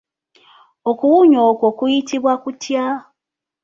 Okuwunya okwo kuyitibwa kutya?